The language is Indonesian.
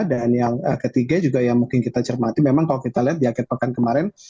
dan yang ketiga juga yang mungkin kita cermati memang kalau kita lihat di akhir pekan kemarin